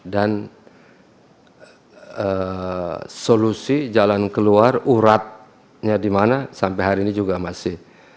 dan solusi jalan keluar uratnya dimana sampai hari ini juga masih